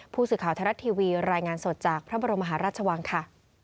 ผู้สื่อข่าวไทยรัฐทีวีรายงานสดจากพระบรมมหาราชวังค่ะ